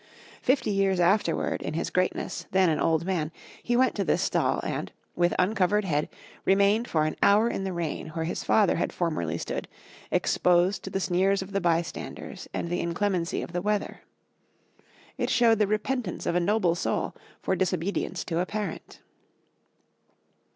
Fifty years afterward, in his greatness, then an old man, he went to this stall, and, with uncovered head, remained for an hour in the rain where his father had formerly stood, exposed to the sneers of the bystanders and the inclemency of the weather. It showed the repentance of a noble soul for disobedience to a parent.